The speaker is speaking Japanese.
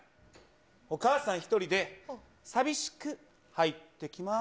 お母さん１人で寂しく入ってきます。